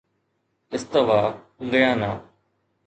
استوا گيانا